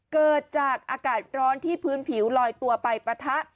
เกิดจากอากาศร้อนที่พื้นผิวลอยตัวไปปะทะ